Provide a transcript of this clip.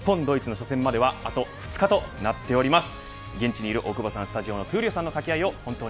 日本、ドイツの初戦まではあと２日となっております。